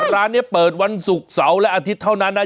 ร้านนี้เปิดวันศุกร์เสาร์และอาทิตย์เท่านั้นนะ